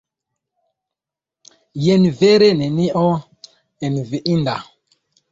Jen vere nenio enviinda!